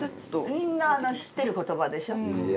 みんな知ってる言葉でしょ？